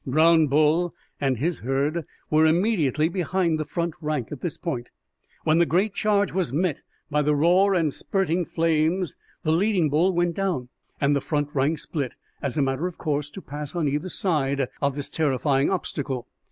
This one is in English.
Brown Bull and his herd were immediately behind the front rank at this point. When the great charge was met by the roar and the spirting flames, the leading bull went down, and the front rank split, as a matter of course, to pass on either side of this terrifying obstacle.